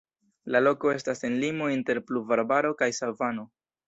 La loko estas en limo inter pluvarbaro kaj savano.